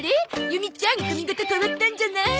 ユミちゃん髪形変わったんじゃない？